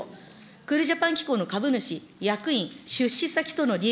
クールジャパン機構の株主、役員、出資先との利益